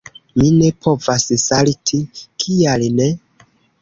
Mi ne povas salti. Kial ne?